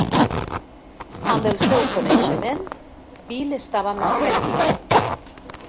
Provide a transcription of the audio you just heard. Amb el seu coneixement, Bill estava més tranquil.